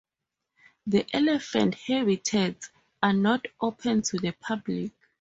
The Elephant Habitats are not open to the public.